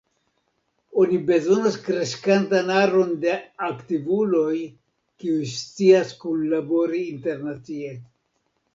Oni bezonas kreskantan aron da aktivuloj, kiuj scias kunlabori internacie.